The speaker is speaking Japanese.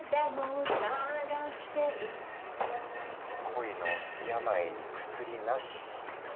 恋の病に薬なしか。